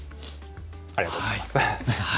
ありがとうございます。